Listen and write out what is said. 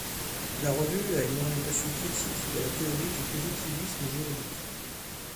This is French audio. La Revue a une orientation critique de la théorie du positivisme juridique.